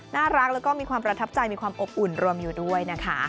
น่ารักแล้วก็มีความประทับใจมีความอบอุ่นรวมอยู่ด้วยนะคะ